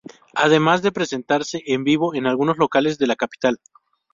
Además de presentarse en vivo en algunos locales de la capital.